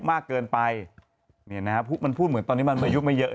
มากเกินไปเนี่ยนะฮะมันพูดเหมือนตอนนี้มันอายุไม่เยอะ